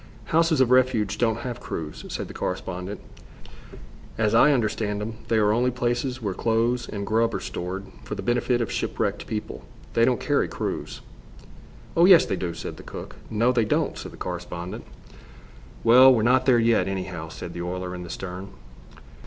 "Houses of refuge don't have crews," said the correspondent. "As I understand them, they are only places where clothes and grub are stored for the benefit of shipwrecked people. They don't carry crews." "Oh, yes, they do," said the cook. "No, they don't," said the correspondent. "Well, we're not there yet, anyhow," said the oiler, in the stern.